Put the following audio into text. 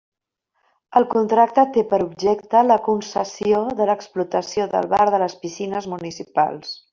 El contracte té per objecte la concessió de l'explotació del bar de les piscines municipals.